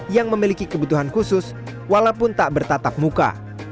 yang memiliki kebutuhan khusus walaupun tak bertatap muka